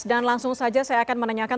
dan langsung saja saya akan menanyakan